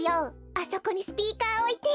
あそこにスピーカーおいて。